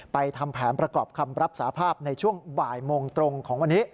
ทำแผนประกอบคำรับสาภาพในช่วงบ่ายโมงตรงของวันนี้